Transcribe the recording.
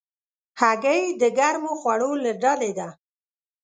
هګۍ د ګرمو خوړو له ډلې ده.